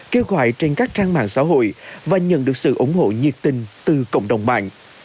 kêu gọi trên các trang mạng xã hội và nhận được sự ủng hộ nhiệt tình từ cộng đồng mạng